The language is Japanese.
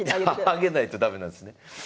上げないと駄目なんですね。